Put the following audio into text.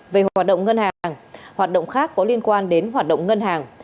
về hoạt động ngân hàng hoạt động khác có liên quan đến hoạt động ngân hàng